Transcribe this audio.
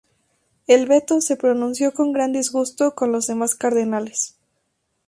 El veto se pronunció con gran disgusto de los demás cardenales.